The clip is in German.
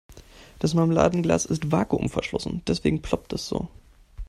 Das Marmeladenglas ist vakuumverschlossen, deswegen ploppt es so.